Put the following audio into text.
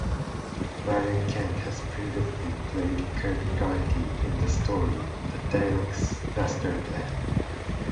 Brian Cant had previously played Kert Gantry in the story "The Daleks' Master Plan".